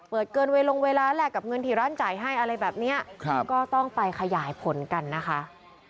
เกินเวลาลงเวลาแหละกับเงินที่ร้านจ่ายให้อะไรแบบนี้ก็ต้องไปขยายผลกันนะคะ